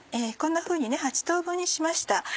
こんなふうに８等分にしました。